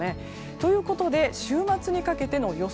ということで、週末にかけての予想